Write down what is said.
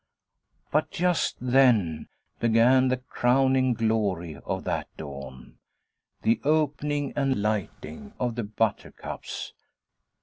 But just then began the crowning glory of that dawn the opening and lighting of the buttercups.